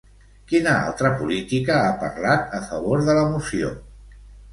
Quina altra política ha parlat a favor de la moció?